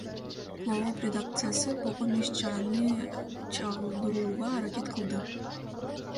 Клооп редакциясы болгон иш чараны чагылдырууга аракет кылды.